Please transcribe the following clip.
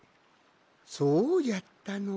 そうじゃったのか。